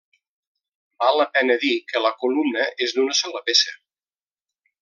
Val la pena dir que la columna és d'una sola peça.